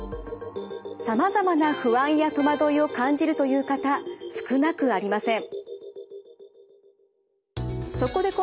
さまざまな不安や戸惑いを感じるという方少なくありません。